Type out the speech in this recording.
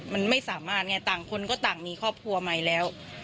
มันไม่สามารถไงต่างคนก็ต่างมีครอบครัวใหม่แล้ว